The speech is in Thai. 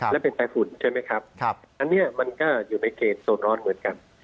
และเป็นไตฝุ่นใช่ไหมครับอันนี้มันก็อยู่ในเขตโซนร้อนเหมือนกัน